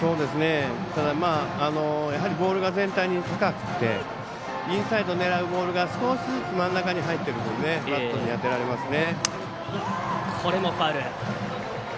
ただボールが全体に高くてインサイド狙うボールが少しずつ真ん中に入っている分バットに当てられますね。